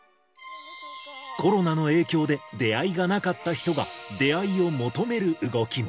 コロナの影響で出会いがなかった人が、出会いを求める動きも。